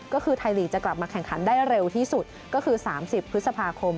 ก็คือไทยลีกจะกลับมาแข่งขันได้เร็วที่สุดก็คือ๓๐พฤษภาคม